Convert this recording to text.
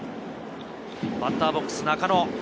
バッターボックス、中野。